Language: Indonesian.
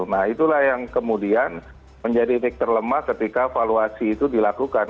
nah itulah yang kemudian menjadi titik terlemah ketika valuasi itu dilakukan